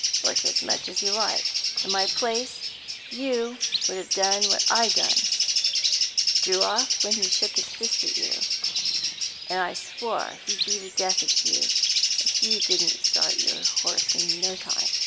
Look as much as you like, in my place you would have done what I done drew off when he shook his fist at you, and swore he'd be the death of you if you didn't start your horse in no time."